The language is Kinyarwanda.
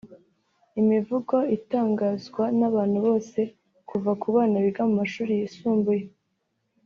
Imivugo itangazwa n’abantu bose kuva ku bana biga mu mashuri yisumbuye